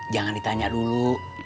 jangan ditanya dulu